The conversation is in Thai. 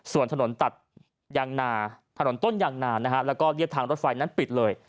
ส่วนถนนตัดยางนาถนนต้นยางนานะฮะแล้วก็เรียบทางรถไฟนั้นปิดเลย